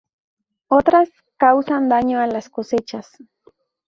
Otras causan daño a las cosechas.